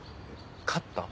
勝った？